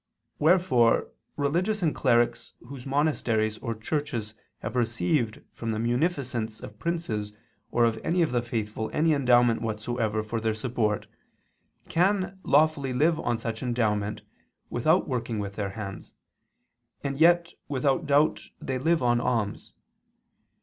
Wherefore religious and clerics whose monasteries or churches have received from the munificence of princes or of any of the faithful any endowment whatsoever for their support, can lawfully live on such endowment without working with their hands, and yet without doubt they live on alms.